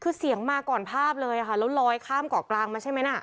คือเสียงมาก่อนภาพเลยค่ะแล้วลอยข้ามเกาะกลางมาใช่ไหมน่ะ